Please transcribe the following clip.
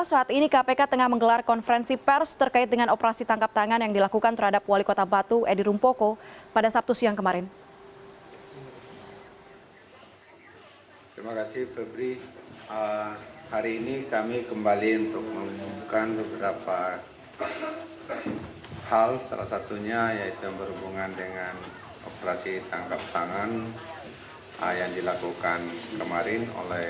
saat ini kpk tengah menggelar konferensi pers terkait dengan operasi tangkap tangan yang dilakukan terhadap wali kota batu edi rumpoko pada sabtu siang kemarin